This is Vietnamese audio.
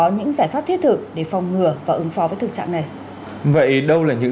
nhưng cam chịu không dám lên tiếng